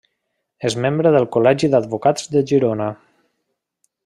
És membre del Col·legi d'Advocats de Girona.